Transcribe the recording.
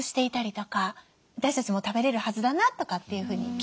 私たちも食べれるはずだなとかっていうふうに気付いたりします。